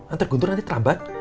ntar guntur nanti terlambat